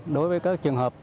đối với các trường hợp